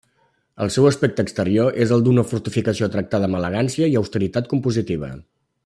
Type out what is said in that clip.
El seu aspecte exterior és el d'una fortificació tractada amb elegància i austeritat compositiva.